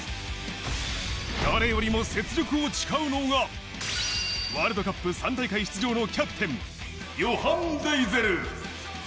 誰よりも雪辱を誓うのがワールドカップ３大会出場のキャプテン、ヨハン・デイゼル。